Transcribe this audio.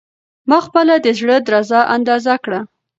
ما خپله د زړه درزا اندازه کړه.